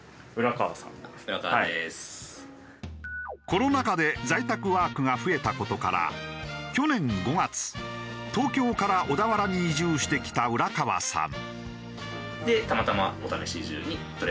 コロナ禍で在宅ワークが増えた事から去年５月東京から小田原に移住してきた浦川さん。